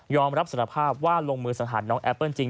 รับสารภาพว่าลงมือสังหารน้องแอปเปิ้ลจริง